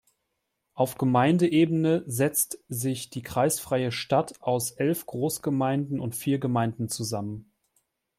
Auf Gemeindeebene setzt sich die kreisfreie Stadt aus elf Großgemeinden und vier Gemeinden zusammen.